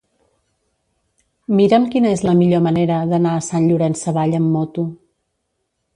Mira'm quina és la millor manera d'anar a Sant Llorenç Savall amb moto.